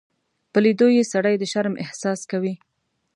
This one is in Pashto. په لیدو یې سړی د شرم احساس کوي.